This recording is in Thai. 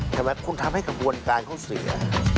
ใช่ไหมคุณทำให้กระบวนการเขาเสีย